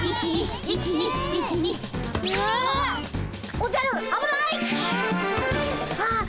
おじゃるあぶない！